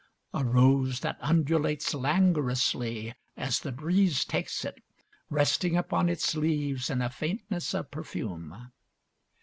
A rose that undulates languorously as the breeze takes it, resting upon its leaves in a faintness of perfume.